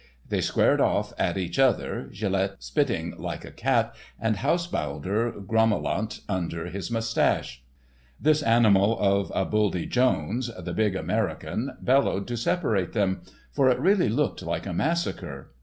They squared off at each other, Gilet spitting like a cat, and Haushaulder grommelant under his mustache. "This Animal of a Buldy Jones," the big American, bellowed to separate them, for it really looked like a massacre.